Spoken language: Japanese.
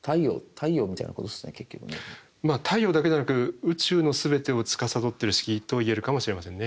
太陽だけでなく宇宙の全てをつかさどってる式と言えるかもしれませんね。